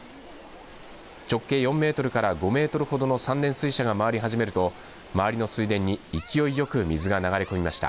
直径４メートルから５メートルほどの三連水車が回り始めると周りの水田に勢いよく水が流れ込みました。